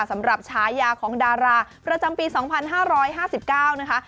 สำหรับฉายาของดาราประจำปี๒๕๕๙นะคะ